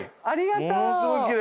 ありがとう。